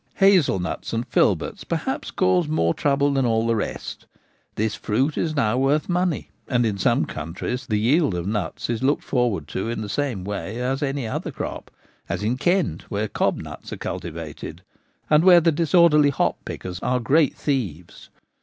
Hazel nuts and filberts perhaps cause more trouble than all the rest ; this fruit is now worth money, and in some counties the yield of nuts is looked forward to in the same way as any other crop — as in Kent, where cob nuts are cultivated, and where the disorderly hop pickers are great thieves.